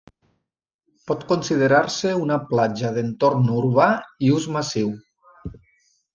Pot considerar-se una platja d'entorn urbà i ús massiu.